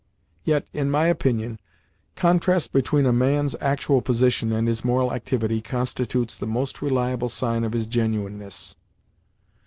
Yet, in my opinion, contrast between a man's actual position and his moral activity constitutes the most reliable sign of his genuineness.